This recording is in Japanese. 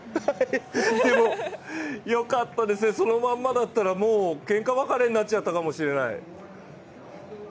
でも、よかったですね、そのまんまだったらもうけんか別れになっちゃったかもしれない。